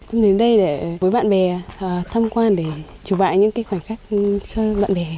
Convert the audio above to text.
em đến đây với bạn bè tham quan để chủ bại những khoảnh khắc cho bạn bè